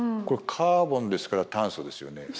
これ「カーボン」ですから炭素ですよね？